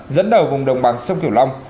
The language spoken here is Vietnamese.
dẫn đầu vùng đồng bằng sông kiểu long